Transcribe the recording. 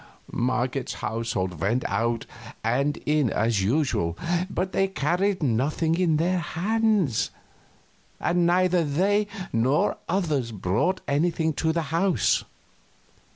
Marget's household went out and in as usual, but they carried nothing in their hands, and neither they nor others brought anything to the house.